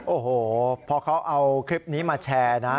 โอ้โหพอเขาเอาคลิปนี้มาแชร์นะ